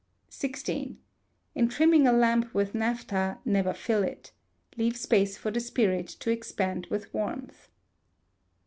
xvi. In trimming a lamp with naphtha, never fill it. Leave space for the spirit to expand with warmth.